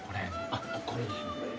あっこれだ！